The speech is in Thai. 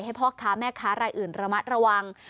ให้พ่อค้าแม่ค้ารายอื่นระมัดระวัง